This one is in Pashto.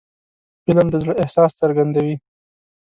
فلم د زړه احساس څرګندوي